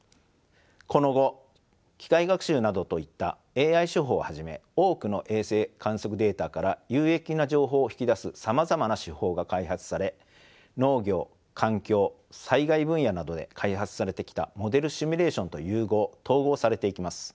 この後機械学習などといったＡＩ手法をはじめ多くの衛星観測データから有益な情報を引き出すさまざまな手法が開発され農業環境災害分野などで開発されてきたモデルシミュレーションと融合統合されていきます。